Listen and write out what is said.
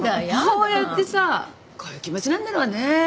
母親ってさこういう気持ちなんだろうね。